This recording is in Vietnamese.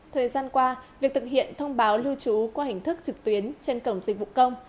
thời gian qua việc thực hiện thông báo lưu trú qua hình thức trực tuyến trên cổng dịch vụ công